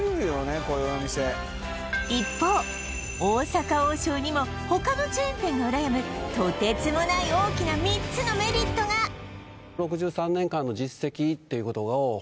こういうお店一方大阪王将にも他のチェーン店がうらやむとてつもない大きな３つのメリットがはっ！